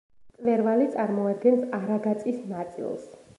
მწვერვალი წარმოადგენს არაგაწის ნაწილს.